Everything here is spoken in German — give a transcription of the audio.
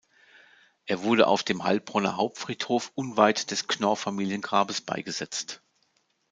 Er wurde auf dem Heilbronner Hauptfriedhof unweit des Knorr-Familiengrabes beigesetzt.